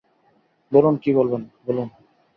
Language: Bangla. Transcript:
বলুন কী বলবেন, বলুন।